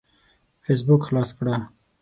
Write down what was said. فيسبوک خلاص کړه.